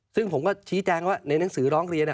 ซึ่งผมก็ชี้แจงว่าในหนังสือร้องเรียน